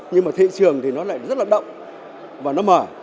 nhưng mà thị trường thì nó lại rất là động và nó mở